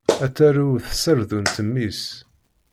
Ad tarew tserdunt mmi-s.